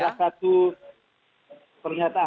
salah satu pernyataan